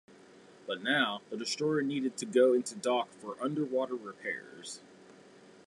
But now the destroyer needed to go into dock for underwater repairs.